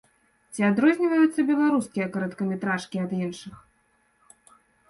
Ці адрозніваюцца беларускія кароткаметражкі ад іншых?